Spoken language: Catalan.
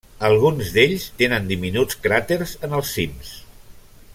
Alguns d'ells tenen diminuts cràters en els cims.